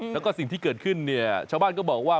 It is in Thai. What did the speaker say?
แล้วก็สิ่งที่เกิดขึ้นเนี่ยชาวบ้านก็บอกว่า